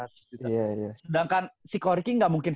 sedangkan si koryki gak mungkin